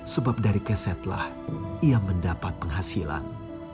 sebab dari kesetlah ia mendapat penghasilan